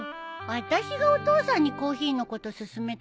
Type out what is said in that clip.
私がお父さんにコーヒーのこと勧めたからさ